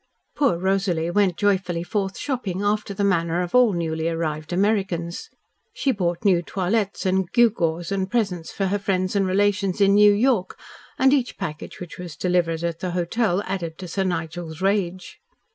Poor Rosalie went joyfully forth shopping after the manner of all newly arrived Americans. She bought new toilettes and gewgaws and presents for her friends and relations in New York, and each package which was delivered at the hotel added to Sir Nigel's rage.